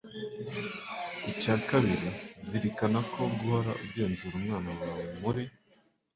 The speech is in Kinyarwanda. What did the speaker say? Icya kabiri zirikana ko guhora ugenzura umwana wawe muri